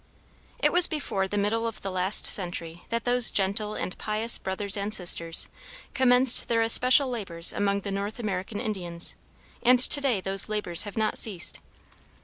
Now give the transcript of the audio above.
It was before the middle of the last century that those gentle and pious brothers and sisters commenced their especial labors among the North American Indians, and to day those labors have not ceased.